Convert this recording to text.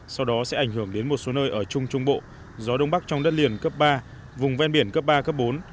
sau đó sẽ ảnh hưởng đến một số nơi ở trung trung bộ gió đông bắc trong đất liền cấp ba vùng ven biển cấp ba cấp bốn